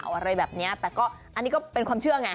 อะไรแบบนี้แต่ก็อันนี้ก็เป็นความเชื่อไง